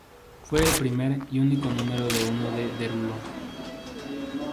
Fue el primer y único número uno de Derulo.